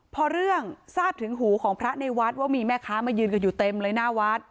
พอเรื่องทราบถึงหูของพระในวัดว่ามีแม่ค้ามายืนกันอยู่เต็มเลยหน้าวัด